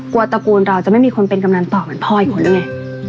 ตระกูลเราจะไม่มีคนเป็นกำนันต่อเหมือนพ่ออีกคนแล้วไง